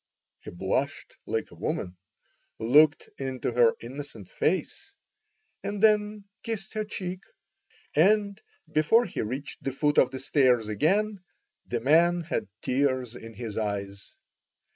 He blushed like a woman, looked into her innocent face, and then kissed her cheek, and before he reached the foot of the stairs again the man had tears in his eyes.